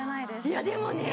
いやでもね